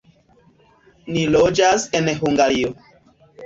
Ni loĝas en Hungario.